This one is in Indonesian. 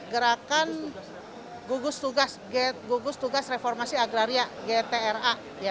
gerakan gugus tugas reformasi agraria gtra